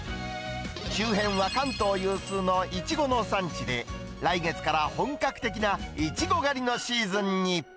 周辺は関東有数のイチゴの産地で、来月から本格的ないちご狩りのシーズンに。